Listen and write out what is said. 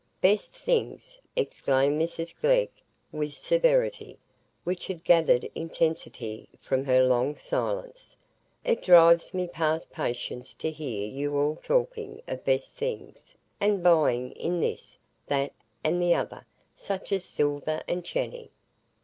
"Best things!" exclaimed Mrs Glegg, with severity, which had gathered intensity from her long silence. "It drives me past patience to hear you all talking o' best things, and buying in this, that, and the other, such as silver and chany.